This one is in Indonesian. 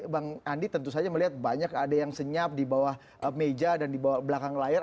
bang andi tentu saja melihat banyak ada yang senyap di bawah meja dan di belakang layar